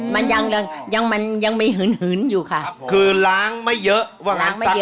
อ๋อมันยังยังมันยังมีหืนหืนอยู่ค่ะครับคือล้างไม่เยอะล้างไม่เยอะ